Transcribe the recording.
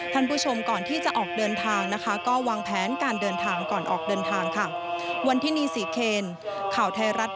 ท่านผู้ชมก่อนที่จะออกเดินทางนะคะก็วางแผนการเดินทางก่อนออกเดินทางค่ะ